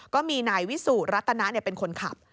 ก็มีนายวิสุรัตนาเป็นคนขับ